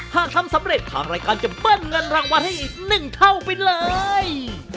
หากทำสำเร็จทางรายการจะเปิ้ลเงินรางวัลให้อีก๑เท่าไปเลย